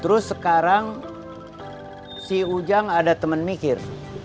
terus sekarang si ujang ada teman mikir